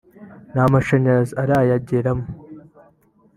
nta mashanyarazi arayageramo